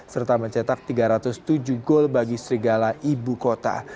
serta mencetak tiga ratus tujuh gol bagi serigala ibu kota